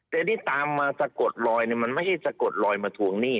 แต่ที่ตามมาสะกดลอยมันไม่ใช่สะกดลอยมาทวงหนี้